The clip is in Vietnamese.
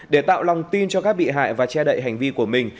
để tạo lòng tin cho các bị hại và che đậy hành vi của các khách hàng